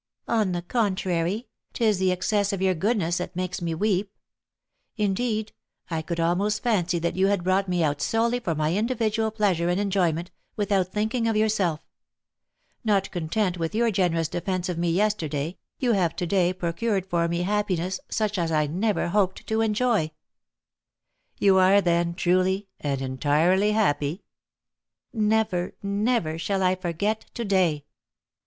"On the contrary, 'tis the excess of your goodness that makes me weep; indeed, I could almost fancy that you had brought me out solely for my individual pleasure and enjoyment, without thinking of yourself. Not content with your generous defence of me yesterday, you have to day procured for me happiness such as I never hoped to enjoy." "You are, then, truly and entirely happy?" "Never, never shall I forget to day."